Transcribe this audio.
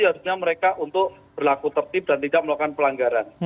harusnya mereka untuk berlaku tertib dan tidak melakukan pelanggaran